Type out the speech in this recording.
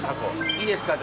いいですか？